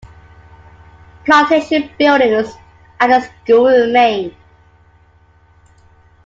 Plantation buildings and a school remain.